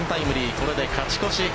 これで勝ち越し。